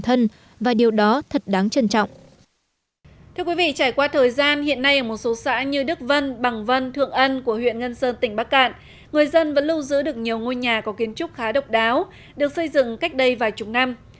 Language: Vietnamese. tín dụng chính sách xã như đức vân bằng vân thượng ân của huyện ngân sơn tỉnh bắc cạn người dân vẫn lưu giữ được nhiều ngôi nhà có kiến trúc khá độc đáo được xây dựng cách đây vài chục năm